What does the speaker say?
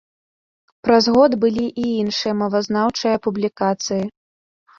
Праз год былі і іншыя мовазнаўчыя публікацыі.